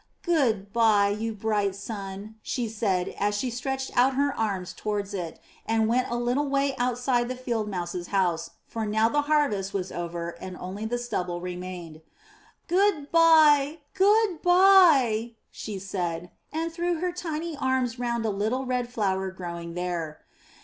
426 UP ONE PAIR OF STAIRS Good bye, you bright sun/' she said as she stretched out her arms towards it and went a Httle way out side the Field Mouse's house, for now the harvest was over and only the stubble remained. * 'Good bye, good bye!" she said, and threw her tiny arms round a little red flower growing there.